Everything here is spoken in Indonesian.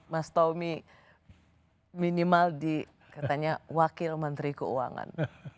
mas tommy minimal di katanya wakil menteri keuangan